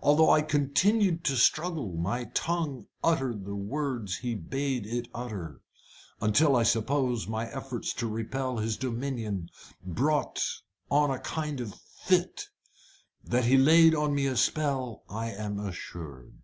Although I continued to struggle, my tongue uttered the words he bade it utter, until I suppose my efforts to repel his dominion brought on a kind of fit. That he laid on me a spell I am assured."